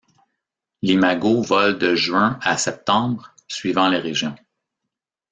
L'imago vole de juin à septembre suivant les régions.